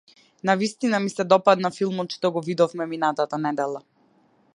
Навистина ми се допадна филмот што го видовме минатата недела.